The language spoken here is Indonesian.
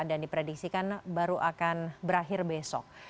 diprediksikan baru akan berakhir besok